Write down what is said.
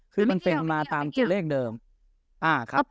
คือมันเป็นมาตามจุดเลขเดิมอาร์คับ